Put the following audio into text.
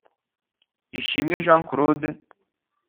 Ishimwe Jean Claude